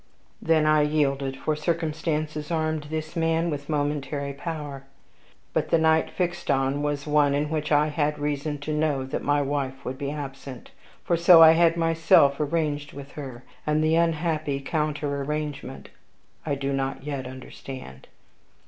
Then I yielded; for circumstances armed this man with momentary power. But the night fixed on was one in which I had reason to know that my wife would be absent; for so I had myself arranged with her, and the unhappy counter arrangement I do not yet understand.